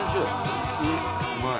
うまい。